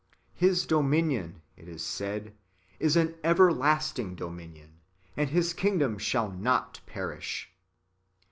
" His dominion," it is said, " is an everlasting dominion, and His kingdom shall not perish."